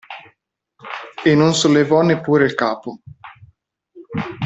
E non sollevò neppure il capo.